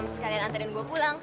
sekalian anterin gue pulang